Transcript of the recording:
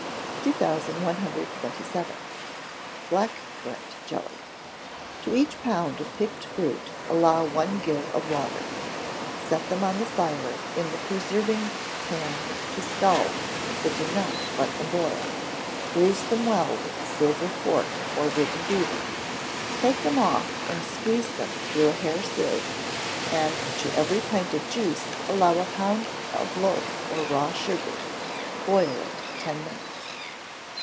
2127. Black Currant Jelly. To each pound of picked fruit allow one gill of water; set them on the fire in the preserving pan to scald, but do not let them boil; bruise them well with a silver fork, or wooden beater; take them oft and squeeze them through a hair sieve, and to every pint of juice allow a pound of loaf or raw sugar; boil it ten minutes.